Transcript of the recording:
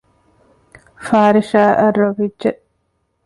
ފާރިޝާއަށް ރޮވިއްޖެ